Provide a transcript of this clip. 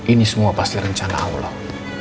ini semua pasti rencana allah